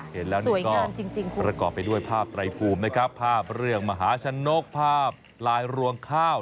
เห็นแล้วนี่ก็ประกอบไปด้วยภาพไตรภูมินะครับภาพเรื่องมหาชนกภาพลายรวงข้าว